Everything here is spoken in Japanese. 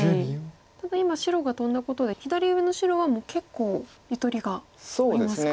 ただ今白がトンだことで左上の白は結構ゆとりがありますか。